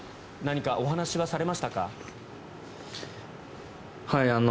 何かお話はされましたか？